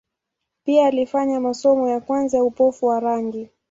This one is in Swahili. Pia alifanya masomo ya kwanza ya upofu wa rangi.